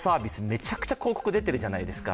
めちゃくちゃ広告出ているじゃないですか。